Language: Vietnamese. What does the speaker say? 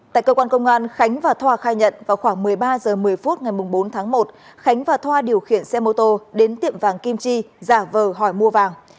tại cơ quan công an khánh và thoa khai nhận vào khoảng một mươi ba h một mươi phút ngày bốn tháng một khánh và thoa điều khiển xe mô tô đến tiệm vàng kim chi giả vờ hỏi mua vàng